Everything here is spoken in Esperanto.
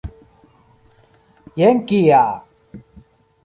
Jen kia!